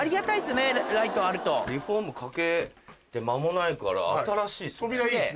リフォームかけて間もないから新しいですね。